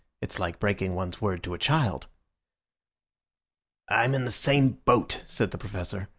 It's like breaking one's word to a child." "I'm in the same boat," said the Professor.